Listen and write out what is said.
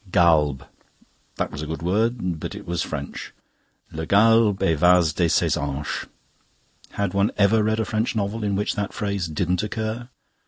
Galbe. That was a good word; but it was French. Le galbe evase de ses hanches: had one ever read a French novel in which that phrase didn't occur?